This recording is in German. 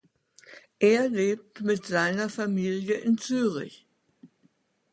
Er lebt mit seiner Familie in Zürich.